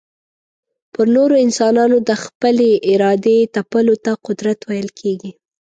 پر نورو انسانانو د خپلي ارادې تپلو ته قدرت ويل کېږي.